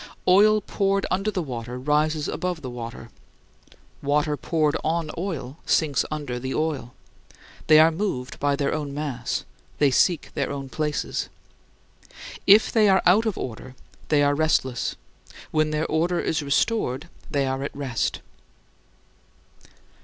Oil poured under the water rises above the water; water poured on oil sinks under the oil. They are moved by their own mass; they seek their own places. If they are out of order, they are restless; when their order is restored, they are at rest.